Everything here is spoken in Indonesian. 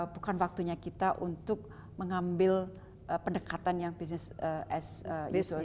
bukan waktunya kita untuk mengambil pendekatan yang business as usual